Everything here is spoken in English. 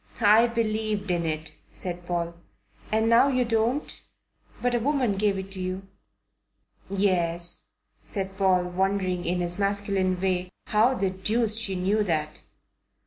"I believed in it," said Paul. "And now you don't? But a woman gave it to you." "Yes," said Paul, wondering, in his masculine way, how the deuce she knew that.